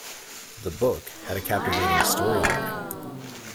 The book had a captivating storyline.